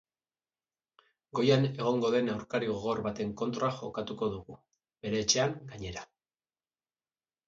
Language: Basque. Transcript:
Goian egongo den aurkari gogor baten kontra jokatuko dugu, bere etxean gainera.